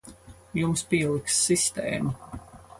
Jums pieliks sistēmu.